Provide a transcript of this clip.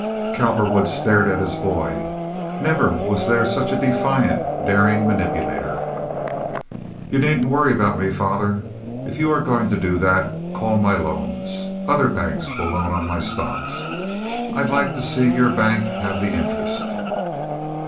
Cowperwood stared at his boy. Never was there such a defiant, daring manipulator. "You needn't worry about me, father. If you are going to do that, call my loans. Other banks will loan on my stocks. I'd like to see your bank have the interest."